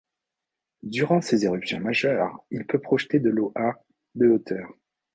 Durant ses éruptions majeures, il peut projeter de l'eau à de hauteur.